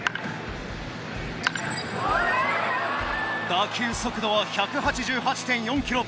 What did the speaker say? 打球速度は１８８．４キロ。